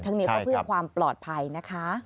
นี้ก็เพื่อความปลอดภัยนะคะ